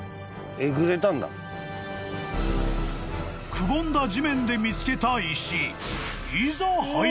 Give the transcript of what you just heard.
［くぼんだ地面で見つけた石］